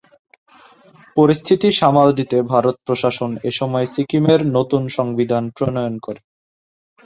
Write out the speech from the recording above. পরিস্থিতি সামাল দিতে ভারত প্রশাসন এসময় সিকিমের নতুন সংবিধান প্রণয়ন করে।